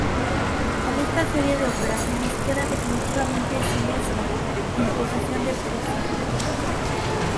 Con esta serie de operaciones queda definitivamente Silesia en posesión de Prusia.